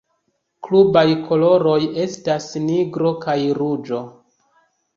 Klubaj koloroj estas nigro kaj ruĝo.